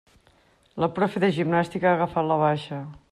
La profe de gimnàstica ha agafat la baixa.